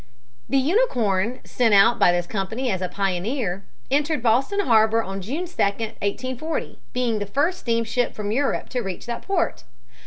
The Unicorn, sent out by this company as a pioneer, entered Boston harbor on June 2, 1840, being the first steamship from Europe to reach that port.